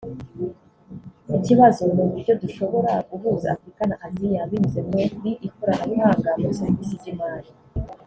Ikibazo ni uburyo dushobora guhuza Afurika na Aziya binyuze muri ikoranabuhanga muri serivisi z’imari